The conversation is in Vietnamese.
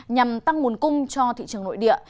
nhằm tăng nguồn cung cho thị trường nội địa